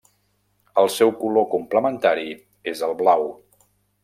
El seu color complementari és el blau.